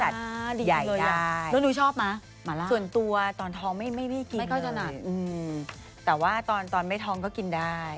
กินริ้นนาหนาเพราะว่ามันชาง่ายพี่